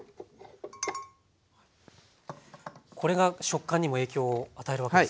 これが食感にも影響を与えるわけですか？